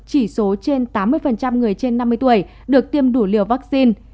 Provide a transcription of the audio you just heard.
chỉ số trên tám mươi người trên năm mươi tuổi được tiêm đủ liều vaccine